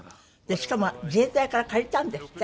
しかも自衛隊から借りたんですって？